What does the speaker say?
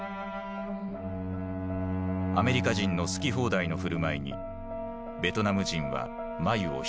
アメリカ人の好き放題の振る舞いにベトナム人は眉をひそめた。